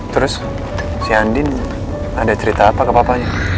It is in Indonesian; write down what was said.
terus si andin ada cerita apa ke papanya